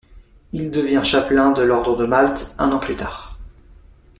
Il devient chapelain de l'Ordre de Malte un an plus tard.